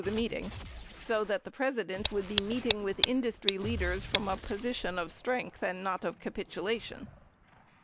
636 the meeting, so that the President would be meeting with industry leaders from a posture of strength and not of capitulation.